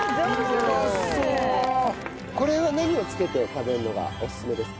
これは何をつけて食べるのがおすすめですか？